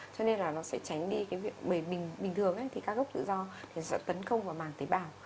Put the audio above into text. cho nên nó sẽ tránh đi bình thường các gốc tự do sẽ tấn công vào màng tế bào